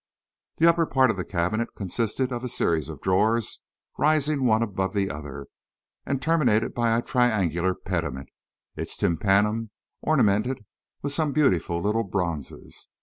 The upper part of the cabinet consisted of a series of drawers, rising one above the other, and terminated by a triangular pediment, its tympanum ornamented with some beautiful little bronzes.